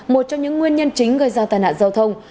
một trong những nguyên nhân chính gây ra tai nạn giao thông